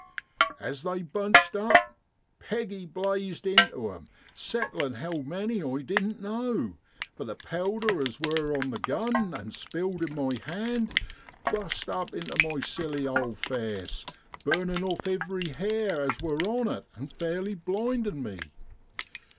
As they bunched up, Peggy blazed intu 'em, settlin' how many I didn't know, for the powder as wor on the gun an' spilled in my hand, bust up intu my silly old face, burnin' off ivery hair as wor on it an' fairly blindin' me.